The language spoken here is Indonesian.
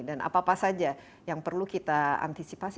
dan apa apa saja yang perlu kita antisipasi